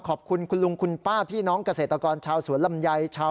ขอบคุณคุณลุงคุณป้าพี่น้องเกษตรกรชาวสวนลำไยชาว